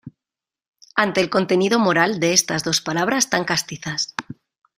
ante el contenido moral de estas dos palabras tan castizas: